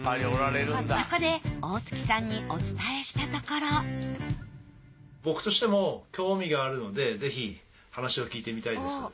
そこで大槻さんにお伝えしたところ僕としても興味があるのでぜひ話を聞いてみたいです。